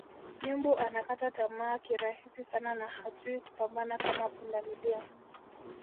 Nyumbu anakata tamaa kirahisi sana na hajui kupambana kama pundamilia